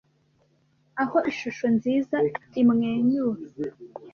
aho ishusho nziza imwenyura